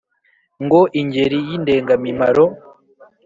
ngo ingeri y’ indengamimaro